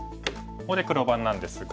ここで黒番なんですが。